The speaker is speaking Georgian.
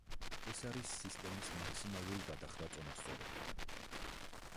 ეს არის სისტემის მაქსიმალური გადახრა წონასწორობიდან.